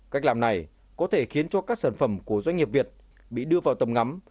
cách làm này có thể khiến cho các sản phẩm của doanh nghiệp việt bị đưa vào tầm ngắm